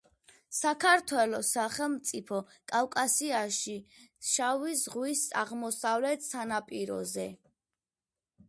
საქართველო სახელმწიფო, კავკასიაში, შავი ზღვის აღმოსავლეთ სანაპიროზე.